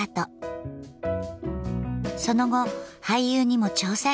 その後俳優にも挑戦。